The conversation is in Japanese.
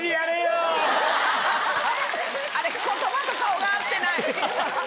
言葉と顔が合ってない。